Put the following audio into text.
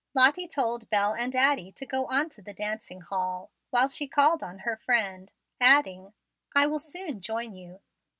Lottie told Bel and Addie to go on to the dancing hall, while she called on her friend, adding, "I will soon join you."